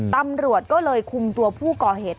ตำรวจก็เลยคุมตัวผู้ก่อเหตุ